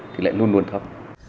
thì lại luôn luôn thấp